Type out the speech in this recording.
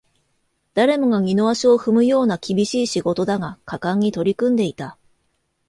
誰もが二の足を踏むような厳しい仕事だが、果敢に取り組んでいた